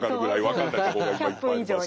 １００分以上に。